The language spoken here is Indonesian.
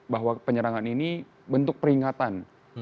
bahwa penyerangan ini bentuk peringatan